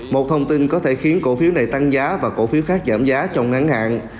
một thông tin có thể khiến cổ phiếu này tăng giá và cổ phiếu khác giảm giá trong ngắn hạn